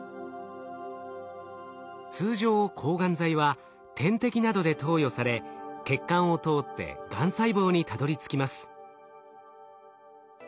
通常抗がん剤は点滴などで投与され血管を通ってがん細胞にたどりつきます。